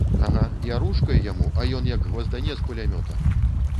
Ага, я ручкай яму, а ён як гваздане з кулямёта!